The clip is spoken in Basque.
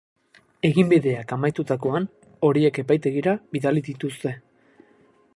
Eginbideak amaitutakoan, horiek epaitegira bidali dituzte.